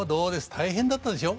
大変だったでしょ？